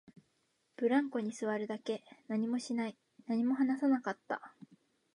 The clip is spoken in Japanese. ブランコに座るだけ、何もしない、何も話さなかった